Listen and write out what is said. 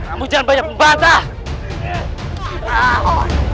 kamu jangan banyak membatah